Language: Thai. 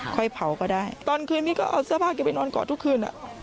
ค่อยเผาก็ได้ตอนคืนนี้ก็เอาเสื้อผ้าแกไปนอนกอดทุกคืน